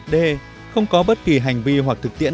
d không có bất kỳ hành vi hoặc thực tiễn